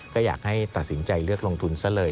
ก็อยากให้ตัดสินใจเลือกลงทุนซะเลย